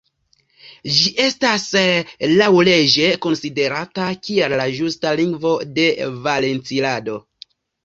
Ĝi estas laŭleĝe konsiderata kiel la ĝusta lingvo de Valencilando.